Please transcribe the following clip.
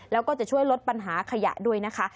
แล้วก็จะช่วยลดปัญหาขยะด้วยนะคะ